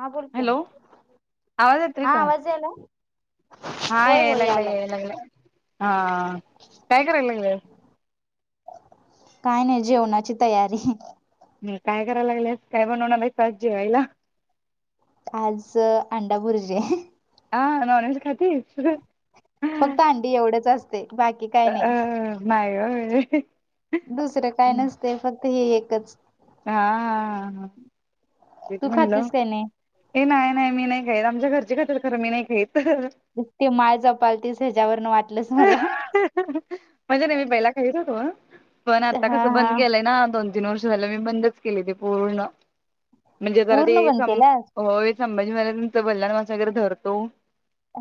हा बोल की आणि हॅलो आवाज येतोय हा का आवाज यालाय हा याय लागलाय याय लागलाय हा काय कराय लागल्यास काय नाय जेवणाची तयारी म काय कराय लागल्यास काय बनवणार आहेस आज जेवायला आज अ अंडा भुर्जी आ नॉन व्हेज खाती फक्त अंडी एवढंच असतय बाक अ नाय व्हय दुसरं काय नसतंय फक्त हे एकच आ आ हा तेच तू म्हणलं खातीस काय नाही ये नाय नाय मी नाय खाईत आमच्या घरचे खातात खरं मी नाय खाईत. तु मला जपाळतीस ह्याच्यावरनं वाटलच मला अग नाय मी पहिला खाईत होतो पण आता हा कसं हा बंद केलंय ना दोन तीन वर्ष झालं मी बंदच केलय ते पूर्ण म्हणजे जरा ते पूर्ण बंद सम केलास होय संभाजी महाराजाच बलिदान मास वगैरे धरतो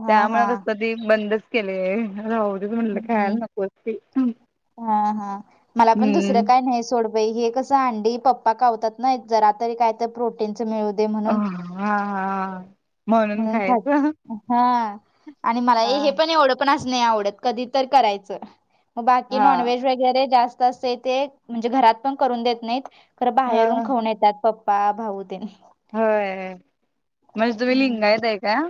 हा हा त्यामुळं कस ते बंदच केलय. [unintelligible] हम्म हा हा मला पण दुसरं हम्म काय न्हाय सोड हे कसं अंडी पप्पा कावत्यात ना जरा तरी काय तर प्रोटीनचं मिळू दे म्हणून हा हा म्हणून खात हा आणि मला ये हा हे पण एवढं पण असं नाय आवडत कधीतर करायचं बाकी हा नॉनव्हेज वगै गरे जास्त असतंय ते म्हणजे घरात पण करून देत नायत खरं बाहेरून ह खाऊन येतात पप पा भाऊ ते व्हय म्हणजे तुम्ही हम्म लिंगायत हाय काय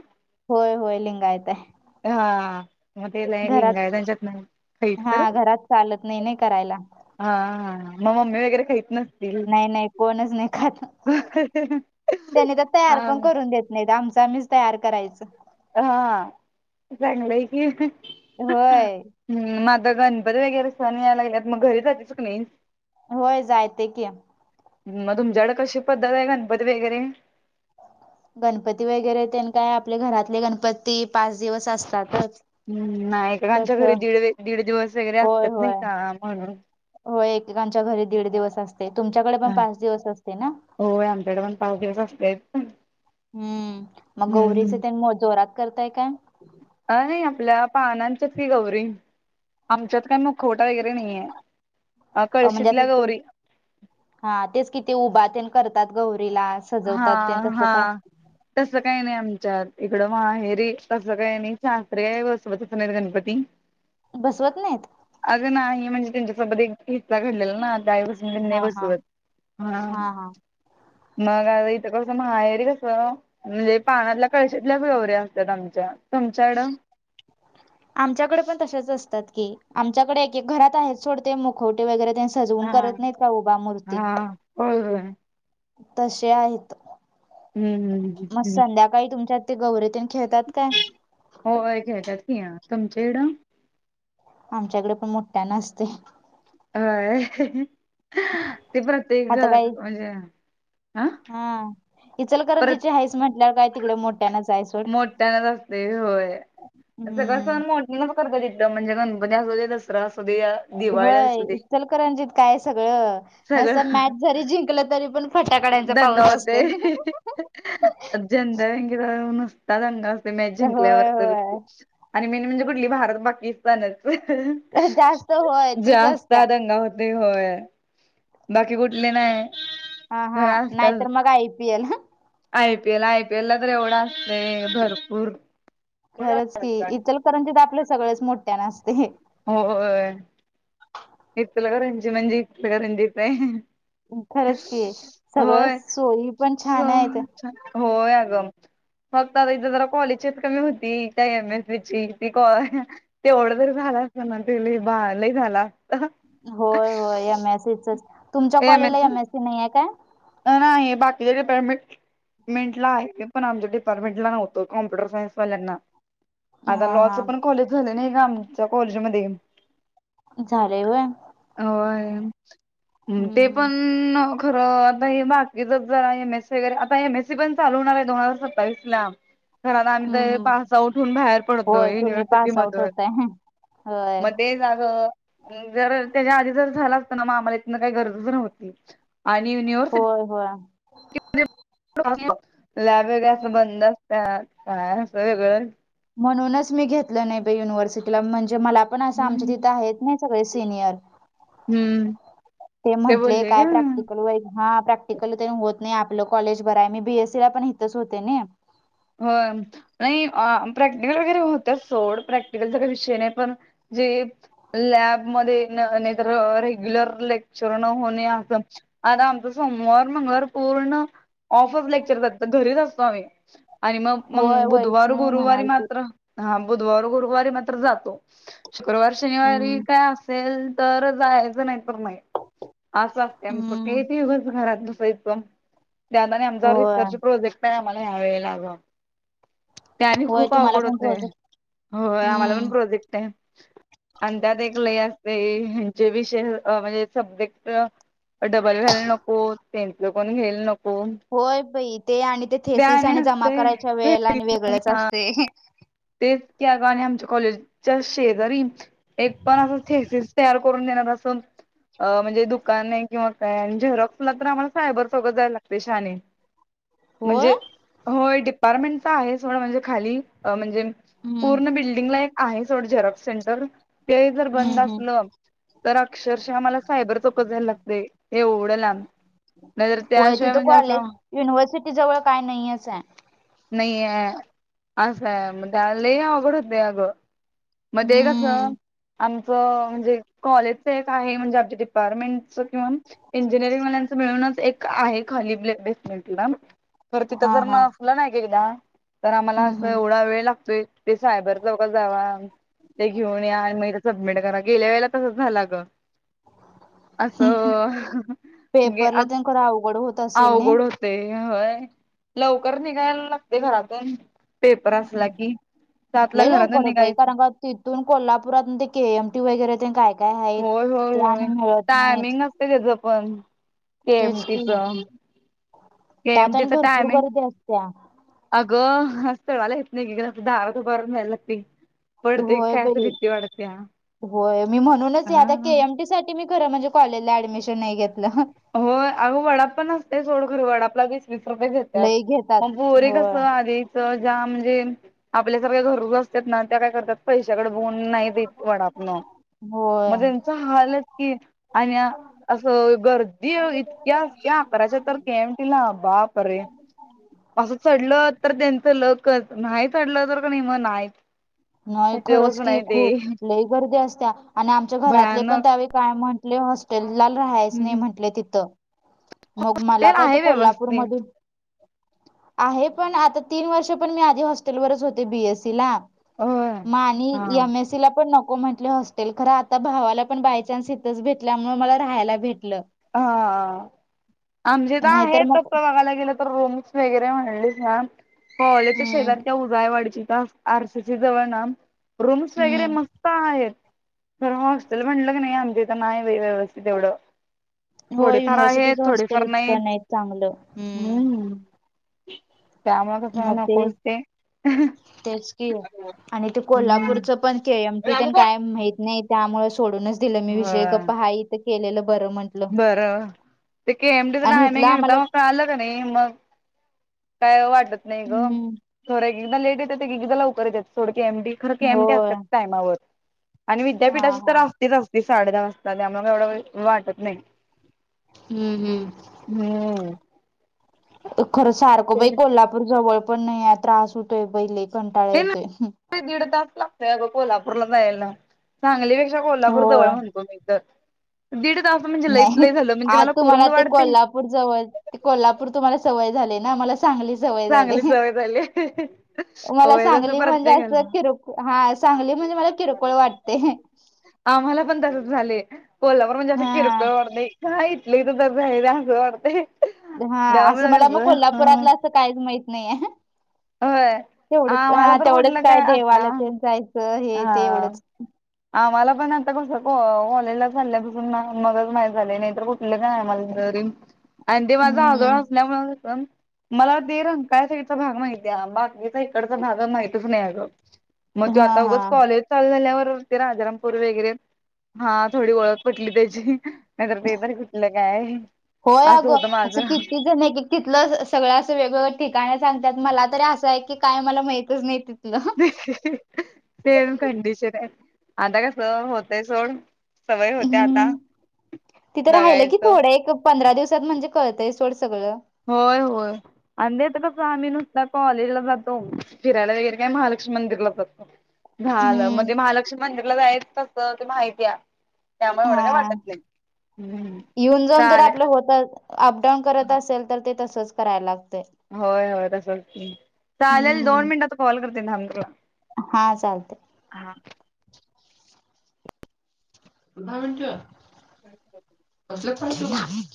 होय होय लिंगायत हाय. हा म ते लय लिंगायत्यांच्यात नाय खाईत हा खरं घरात चालत नई नय करायला. हा हा म मम्मी वगैरे खाईत नस नाय नाय कोणच नाय खात त्यांनी तर तयार हा पण करून देत नाईत आमचं आम्हीच तयार करायचं. हा चांगलंय की होय हम् म आता गणपती वगैरे सण यायला लागल्यात म घरी जातेस का नाही. होय जायते की. म तुमच्याकड कशी पद्धत आहे गणपती वगैरे. गणपती वगैरे तेन काय आपले घरातले गणपती पाच दिवस असतातच. ह् नाही एक -एकांच्या तस घरी दीड- दीड दिवस वगैरे असत्यात नाही, काळा म्हणून. हो एकेकांच्या घरी दीड दिवस असतय, तुमच्याकडे पण पाच दिवस असतय ना? होय आमच्याकड पण पाच दिवस असतंयच हम्म, मग गौरीच ते जोरात करताय काय? अ, हे आपल पाहनांच्या की गौरी. आमच्यात काय मुखवटा वगैरे नाहीयेय अ, म्हणजे असं तो, तेच की तो उभा तेन करतात गौरीला हा, सजवतात ते तसं हा. काय तसं काय नाही आमच्यात, इकडं माहेरी तसं काय नाही सासरे आहे बसवतचं नाही गणपती. बसवत नाहीत? अगं नाही म्हणजे त्यांच्यासोबत एक हिस्सा घडलेला ना त्यावेळे पासून तेनी नाही हा हा बसवत ह. हा हा मग आता इथं कसं माहेरी कसं म्हणजे पाण्यातल्या कळशीतल्या गवऱ्या असतात आमच्या. तुमच्याकडं [inaudible] आमच्याकडे पण तसेच असतात की आमच्याकडे एकेक घरात आहेत सोड ते मुखवटे वगैरे तेन सजवून हा करत नाहीत का उभा मूर्ती. हा होय होय तशा आहेत हम्म हम्म मग हम्म संध्या काळी तुमच्यात ते गौरी तेन खेळतात काय? होय होय खेळतात की तुमच्या इकडं. आमच्याकडे पण मोठ्या असतय हय ते प्रत्येक घ आता काही म्हणजे. हा परत इचलकरंजीची हाइस म्हटल्यावर काय तिकडे मोठ्यानंच हायस मोठ्यानच असतय होय सगळं हम्म. सण मोठ्या मी पण करतोय तिथलं म्हणजे गणपती असू दे दसरा असू दे या. होय इचलकरंजीत काय सगळं नुसतं सगळं मॅच जरी जिंकलं तरी पण फटाकड्यांचा दंगा पाऊस असतोय. होतोय. जनता बँकेजवळ नुसता दंगा असतोय मॅच जिंकल्यावर होय तर. होय आणि मेन म्हणजे कुठली भारत पाकिस्तानच जास्त होय तीच जास्त असत्या. दंगा होत होय बाकी कुठली नाही. हा हा खर असतात नाहीतर मग I P L. I P L I P L ला तर एवढं असतय भरपूर खरंच की इतरकरंजीत आपलं सगळंच मोठ्यानं असतंय होय इचलकरंजी म्हणजे इचलकरंजीच हाय खरंच की. होय सगळंच सोयी पण छान आहेत होय आगं फक्त आता इथे जरा कॉलेजच कमी होती त्या एम एस सीची ती काय तेवढं तरी झालं असत ना ते लई बा लई झालं असतं होय होय एम आय सीच तुमच्या कॉलेजला एम आय सी नाही हाय काय? नाही नाही हे बाकीचे डिपार्मेंट मेंटला आहे पण आमच्या डिपार्टमेंला नव्हतं कॉम्प्युटर सायन्स वाल्यांना आता हा लॉच हा पण कॉलेज झालं नाही का आमच्या कॉलेजमध्ये झालय होय होय हम्म ते हम्म पण खरं. हे बाकीच जरा एम ए सी वगैरे आता एम ए सी पण चालू होणार आहे दोन हजार सत्तावीस ला. घराला आम्ही हम्म तर हम्म. पास आउट होऊन बाहेर पडतोय, होय तुम्ही युनिव्हर्सिटी पास आउट मधून. होताय होय मध्ये जाग- जर त्याच्या आधी जर झाला असत ना, मग आम्हाला इथन काही गरजच नव्हती आणि युनिव्हर्स- होय, होय, आहे. [inaudible] लॅब वैगेरे असं बंद असत्यात काय असं वेगळं [unintelligible] म्हणूनच मी घेतलं नाही बाई युनिव्हर्सिटीला, म्हणजे मला- पण अशा आमच्या हम्म. तिथं आहेत नाही सगळे सिनियर- हम्म. ते म्हटले, बोलले का काय प्रॅक्टिकल वहीत हा प्रॅक- टिकलं तेन होत नाही आपलं कॉलेज बरंय मी बी एस सी ला पण हितच होते नाही. हो, नाही प्रॅक्टिकल वगैरे होत्यात सोड, प्रॅक्टिकलचा काही विषय नाही पण- जे [unintelligible] लॅबमध्ये न नाहीतर, रेग्युलर लेक्चर न होणे असं- आता आमचा सोमवार, मंगळवार पूर्ण ऑफच लेक्चर जातात घरीच असतो आम्ही. आणि मग होय मंग बुधवार, वैष्णवी गुरुवारी म्हणालती मात्र- हा, बुधवार, गुरुवारी मात्र जातो, शुक्रवार, शनिवारी हम्म काय अस- सेल तर जायचं नाही- नाही [unintelligible] हम्म. किती दिवस घरात बसायचं. त्यावेळी आणि [unintelligible] आमचा होय रिसर्च प्रोजेक्ट आहे, आम्हाला ह्यावेेळेला अगं. ते आणि होय खूप तुम्हाला अवघड पण होतय, प्रोजेक्ट होय आम्हाला पण हम्म प्रोजेक्ट आहे. अन् त्यात एक लय असतय व, ह्यांचे विषय अं म्हणजे सब्जेक्ट- डबल व्हायला नको, तेनच कोण घ्यायला नको. होय बाई, ते आणि ते थेसिस आणि जमा करायच्या वेळेला आणि वेगळंच असतय. तेच की अगं आणि आमच्या कॉलेजच्या शेजारी- एक पण असं थेसिस तयार करून देणार असून- अं म्हणजे दुकान आहे किंवा काय झेरॉक्सला तर आम्हाला सायबर चौकात जायला लागतय शहाने. [inaudible] होय म्हणजे, होय डिपार्टमेंट आहे सोड म्हणजे खाली अं म्हणजे- हम्म पूर्ण बिल्डिंगला एक आहे सोड झेरॉक्स सेंटर, ते जर हम्म बंद हम्म. असलं- तर अक्षरशः मला सायबर चौकात जायला लागतय, एवढं लांब. नाहीतर होय, त्याशिवाय तिथं म्हणजे कॉलेज असं युनिव्हर्सिटी जवळ काय नाहीयचं हाय. नाहीये. [unintelligible] त्यावेळ लई अवघड होतय अगं. मध्ये कसं, हम्म आमचं म्हणजे- कॉलेजचं एक आहे, म्हणजे आमच्या डिपार्टमेंटच किंवा- इंजिनिअरिंग वाल्यानच मिळूनच, एक आहे खालीे बेसमेंटला. जर तिथं हा जर हा नसलं ना एक-एकदा तर आम्हाला हम्म असं एवढा वेळ लागतोय- ते सायबर चौकात जावा- ते घेऊन या आणि मग ते सबमिट करा, गेल्या वेळेला तसंच झालं अगं. असं हम्म पेपरला अं तेन खरं अवघड होत असेल नई. अवघड हो- तय होय, लवकर निघायला लागतय घरातून. पेपर असला की, सातला लई घरातून लवकर बाई निघायच- कारण का तिथून कोल्हापुरातन ते के एमह टी वगैरे, तेन काय, काय हाय. होय, होय, होय, टायमिंग नसतय त्याच पण के एम तेच टी की च. त्यात आणि भरपूर गर्दी असत्या. अगं असं चढायला येत नाय की गं असं दारात उभारून यायला लागतय. होय बई होय मी म्हणूनच हा ह्या त्या के एम टी साट ठी मी खरं म्हणजे कॉलेजला ऍडमिशन नाय घेतलं. होय अगं वडाप पण असतय सोड खर वडापला बी वीस रुपये घेतात लई म घेतात पोरी कस होय आधी त ज्या म्हणजे आपल्या सारख्या गरजू असतात ना त्या काय करतात पैशाकड बगून नाही देत वडाप न म होय ते त हालच की आणि असं गर की ओ इतक्या त्या अकराच्या तर के एम टी ला बापरे! असं चढलं तर त्यांचं लकच नाही चढलं तर क नी म नाय. नाय खरंच की खुप लय गर्दी असत्या आणि आमचे घरातले पण भयानक त्यावेळी काय म्हण आपले हॉस्टेलला राहायच नाय हम्म. म्हटले तिथं मग मला काय ते आहे कोल्हापूर व्यवस्थित मधून आहे पण आता तीन वर्ष पण मी आधी हॉस्टेलवरच होते बी एस सी ला होय मा आणि हा एम एस सी ला पण नको म्हंटले हॉस्टेल खरं आता भावाला पण बाय चान्स इथच भेटल्यामुळ मला राहायला भेटलं. हा आमच्या इथ नाहीतर आहे मग तसं बघाला गेलं रूम्स वगैरे म्हणलीस ना पवलेच्या हम्म शेजार त्या उजायवाडी च्या इथं आर सी सी जवळ ना रूम्स वगैरे हम्म मस्त आहेत. पण हॉस्टेल म्हटलं क नाय आमच्या इथं नाय बय व्यवस्थित एवढं हो थोडेफार आहेत युनिव्हर्सिटीच हॉस्टेल थोडेफार नाहीत इतकं नाईत चांगलं. हूं त्यामुळ कस नकोच ते तेच की आणि ते हम्म कोल्हापूरचं पण के एम टी तेन होय काय माहित नाहीत. त्यामुळ सोडूनच दिलं मी विषय गप्प हाय इथं केलेलं बरं म्हटलं तर ते के एम टी च नाय नं इथलं आम्हाला एकदम कळालं क नई मग काय वाटत नाय ग हम्म थोडे एकदा लेट येतात एकेकदा लवकर येतात सोड की एम डी खर के एम डी होय असतात टायमावर आणि हा विद्यापीठाची तर हा अस येत असते साडे दहा वाजता ते आम्हाला काय एवढं वेळ वाटत नाय. हूं हूं त खरं सारखं बई कोल्हापूर जवळ पण नाहीये त्रास होतोय बई लय. कंटाळा येतोय. ती दीड तास लागतोय अगं कोल्हापूरला जायला सांगली ते कोल्हापूर होय जवळ म्हणतो मी तर दीड तास म्हणजे लयत लय झालं म्हणजे मला पूर्ण वाढतय. तर जवळ ते कोल्हापूर तुम्हाला सवय झाले ना आम्हाला सांगली सवय झाले. चांगली सवय झाली. मला होय तसं सांगली म्हणजे अस प्रत्येकाला. किर हा सांगली म्हणजे मला किरकोळ वाटते. आम्हाला पण तसच झाले कोल्हापूर म्हणजे असं हा किरकोळ वाढतय. च हाईत लय तस [unintelligible] असं वाटतंय. हा असं त्यामुळे मला म कसं हा कोल्हापुरातलं असं काहीच माहित नाहीेये. होय तेवढंच आम्हाला हा तर तेवढंच कुठलं काय आता देवाला तेनं जायचं हे ते हा एवढंच [inaudible] आम्हाला पण आता कस कॉ कॉलेजला चालल्यापासून ना मगच माहित झाले नाहीतर कुट म्हटलं काय आम्हाला तरी आणि ते माझं आजोळ हं, असल्यामुळ कस मला ते रंकाळ साईडचा भाग माहिती आहे बाकीचा इकडचा भाग माहितच नाय अगं मजात- हां, हां. [unintelligible] चालू झाल्यावर ते राजारामपूररी वगैरे, हा थोडी ओळख पटली त्याची. नाहीतर ते पण कुठलं काय, होय असं अगं, होतं माझं. असं किती जण एक एक तिथलं अस सगळं असं वेगवेगळ्या ठिकाण सांगत्यात, मला तरी असं आहे की, काय मला माहितच नाही. तिथलं. सेम कंडिशन आहे, आता कस होतय सोड- सवय होत्या आता, हं, जगायचं. पंधरा दिवसात म्हणजे कळतंय सोड सगळं. होय, होय. आणि आता कसं आम्ही नुसता कॉलेजला जातो, फिरायला वगैरे काय महालक्ष्मी मंदिरला जातो. ह [inaudible] झालं, म्हणजे महालक्ष्मी मंदिरला जायच तसं ते माहती आहे. त्यामुळे एवढं काय हा, वाटत नाही. हम्म. येऊन जाऊन जर चालेल आपलं होतच. अप डाऊन करत असेल तर, ते तसच करायला लागतंय. होय, होय, तसच की. चालेल दोन मिनिटात कॉल करते थांब तुला. हा, चालतय. हा. पधा मिट. [unintelligible]